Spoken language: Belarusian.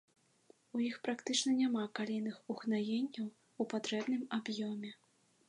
У іх практычна няма калійных угнаенняў у патрэбным аб'ёме.